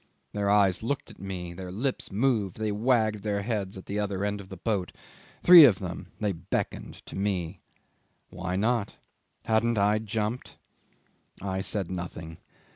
... Their eyes looked at me; their lips moved; they wagged their heads at the other end of the boat three of them; they beckoned to me. Why not? Hadn't I jumped? I said nothing.